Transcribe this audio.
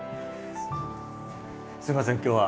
すいません今日は。